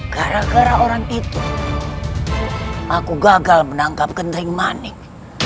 gara gara orang itu aku gagal menangkap genteng manik